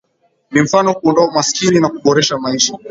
Ni mfano kuondoa umaskini na kuboresha maisha